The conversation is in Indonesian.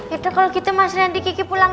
ya udah kalau gitu mas rendy kiki pulang ya